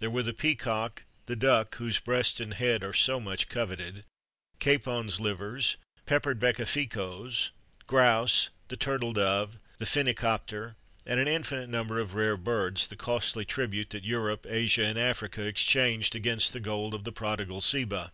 There were the peacock,[XXXV 59] the duck, whose breast and head are so much coveted;[XXXV 60] capons' livers,[XXXV 60] peppered becaficoes,[XXXV 61] grouse, the turtle dove, the phenicopter,[XXXV 62] and an infinite number of rare birds, the costly tribute that Europe, Asia, and Africa, exchanged against the gold of the prodigal Seba.